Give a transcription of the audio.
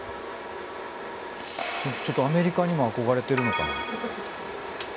ちょっとアメリカにも憧れてるのかな。